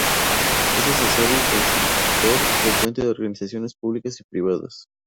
Es asesor y consultor frecuente de organizaciones públicas y privadas.